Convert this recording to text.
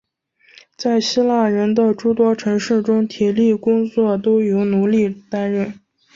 在希腊人的诸多城市中体力工作都由奴隶担任。